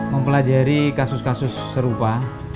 mempelajari kasus kasus serupa